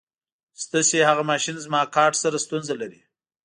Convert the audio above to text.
ستاسې هغه ماشین زما کارټ سره ستونزه لري.